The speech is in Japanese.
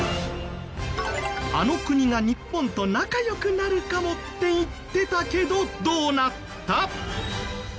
あの国が日本と仲良くなるかもって言ってたけどどうなった？